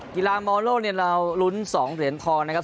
กีฬามอลโลกเนี่ยเรารุ้น๒เหรียญทองนะครับ